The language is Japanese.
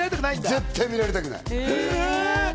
絶対見られたくない。